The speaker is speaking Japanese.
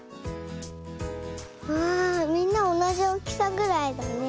わあみんなおなじおおきさぐらいだね。